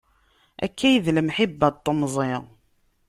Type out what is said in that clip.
Akka i d lemḥibba n temẓi.